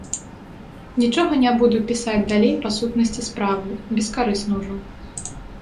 Нічога не буду пісаць далей па сутнасці справы, бескарысна ўжо.